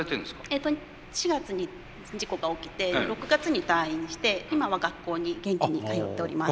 えっと４月に事故が起きて６月に退院して今は学校に元気に通っております。